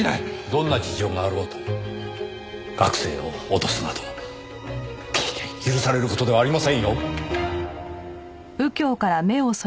どんな事情があろうと学生を脅すなど到底許される事ではありませんよ。